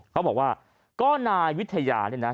เขาบอกว่าก็นายวิทยาเนี่ยนะ